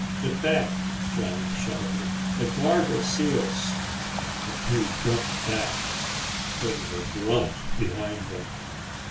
"Get back," Johnny shouted. "The guard will see us." The two jumped back. There was a grunt behind them.